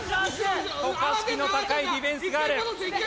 渡嘉敷の高いディフェンスがある。